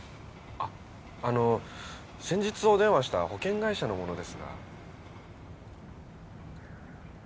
ああの先日お電話した保険会社の者ですが。